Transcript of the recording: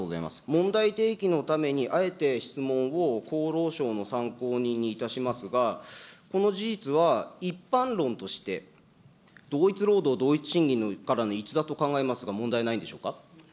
問題提起のために、あえて質問を厚労省の参考人にいたしますが、この事実は一般論として、同一労働同一賃金からの逸脱だと考えますがいかがですか。